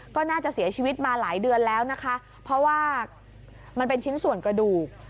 ก็น่าจะเสียชีวิตมาหลายเดือนแล้วนะคะเพราะว่ามันเป็นชิ้นส่วนกระดูก